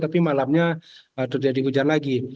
tapi malamnya terjadi hujan lagi